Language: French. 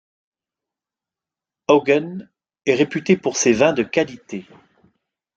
Auggen est réputé pour ses vins de qualité.